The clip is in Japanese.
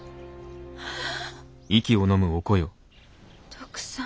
徳さん。